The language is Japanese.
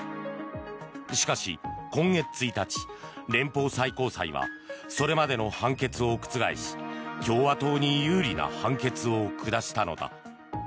しかし、今月１日連邦最高裁はそれまでの判決を覆し、共和党に有利な判決を下したのだ。